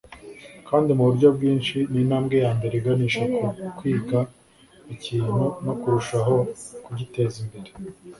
kandi mu buryo bwinshi, ni intambwe ya mbere iganisha ku kwiga ikintu no kurushaho kugitezimbere. ”